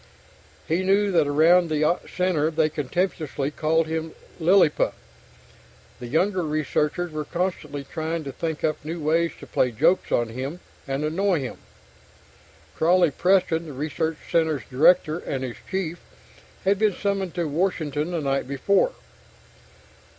He knew that around the center they contemptuously called him "Lilliput." The younger researchers were constantly trying to think up new ways to play jokes on him, and annoy him. Crawley Preston, the research center's director and his chief, had been summoned to Washington the night before.